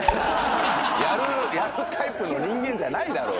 やるタイプの人間じゃないだろ。